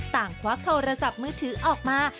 ควักโทรศัพท์มือถือออกมา